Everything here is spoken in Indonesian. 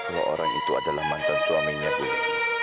kalau orang itu adalah mantan suaminya bu lenny